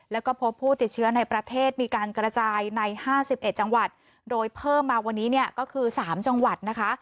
แล้วก็พบผู้ติดเชื้อในประเทศมีการกระจายใน๕๑จังหวัดโดยเพิ่มมาวันนี้เนี่ยก็คือ๓จังหวัดนะคะ